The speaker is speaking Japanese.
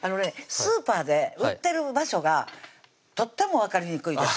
スーパーで売ってる場所がとっても分かりにくいです